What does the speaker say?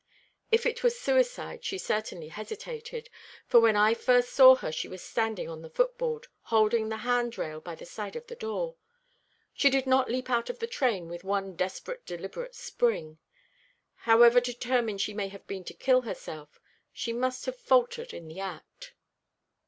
If it was suicide she certainly hesitated, for when I first saw her she was standing on the footboard, holding the hand rail by the side of the door. She did not leap out of the train with one desperate deliberate spring. However determined she may have been to kill herself, she must have faltered in the act."